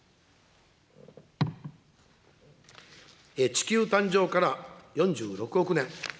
地球誕生から４６億年。